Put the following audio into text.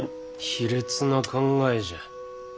卑劣な考えじゃ。